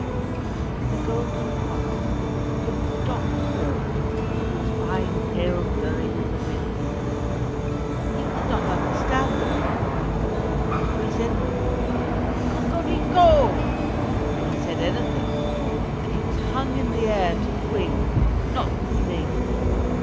But the golden cock stood stock still, with his fine tail blowing in the wind. He could not understand the little boy, for he said "Cocorico" when he said anything. But he was hung in the air to swing, not to sing.